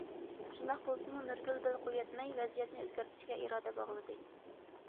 شۇنداق بولسىمۇ نۇرگۈل بەل قويۇۋەتمەي، ۋەزىيەتنى ئۆزگەرتىشكە ئىرادە باغلىدى.